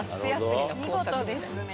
見事ですね。